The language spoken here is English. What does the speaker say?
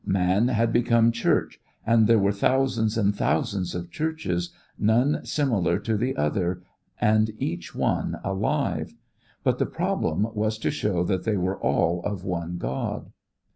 Man had become church and there were thousands and thousands of churches, none similar to the other and each one alive. But the problem was to show that they were all of One God.